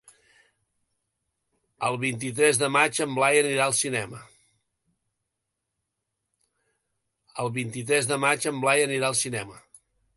El vint-i-tres de maig en Blai anirà al cinema.